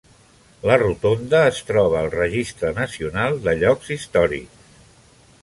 La rotonda es troba al registre nacional de llocs històrics.